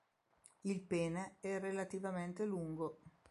Il pene è relativamente lungo.